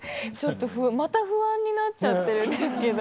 また不安になっちゃってるんですけど。